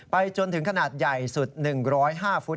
จนถึงขนาดใหญ่สุด๑๐๕ฟุต